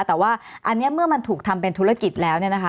แต่ว่าอันนี้เมื่อมันถูกทำเป็นธุรกิจแล้ว